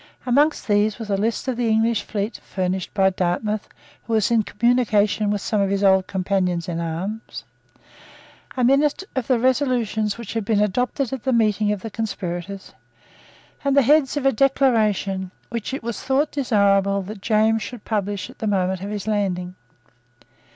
Among these was a list of the English fleet furnished by Dartmouth, who was in communication with some of his old companions in arms, a minute of the resolutions which had been adopted at the meeting of the conspirators, and the Heads of a Declaration which it was thought desirable that James should publish at the moment of his landing.